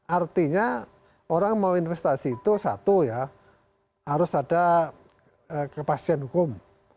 artinya orang mau investasi itu satu ya harus ada kepastian hukum